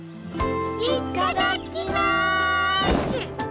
いっただっきます！